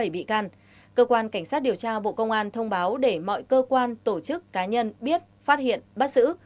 bảy bị can cơ quan cảnh sát điều tra bộ công an thông báo để mọi cơ quan tổ chức cá nhân biết phát hiện bắt xử